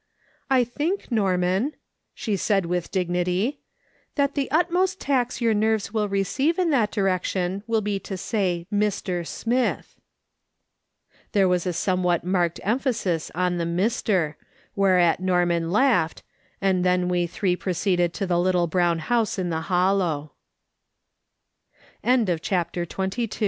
" I think, Norman," she said with dignity, " that the utmost tax your nerves will receive in that direc tion will be to say, ' Mr. Smith.' " There was a somewhat marked emphasis on the " Mr.," whereat Xorman laughed, and then we three proceeded to the little brown house